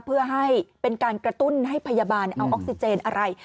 เพื่อให้เป็นการกระตุ้นให้พยาบาลเอาออกซิเจนอะไร